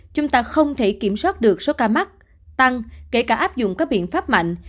chúng ta không thể kiểm soát được số ca mắc tăng kể cả áp dụng các biện pháp mạnh